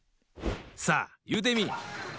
さあいうてみい！